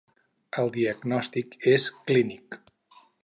El diagnòstic és clínic.